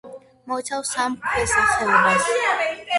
მოიცავს სამ ქვესახეობას.